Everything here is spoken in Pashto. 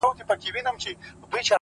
د فکر ژورتیا انسان لوړوي!